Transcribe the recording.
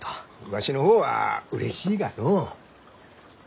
わしの方はうれしいがのう。